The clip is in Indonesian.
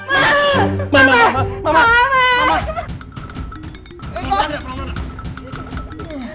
tahan tahan tahan